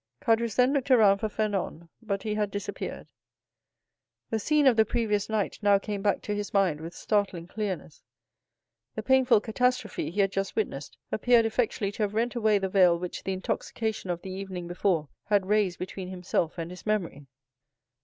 Caderousse then looked around for Fernand, but he had disappeared. The scene of the previous night now came back to his mind with startling clearness. The painful catastrophe he had just witnessed appeared effectually to have rent away the veil which the intoxication of the evening before had raised between himself and his memory.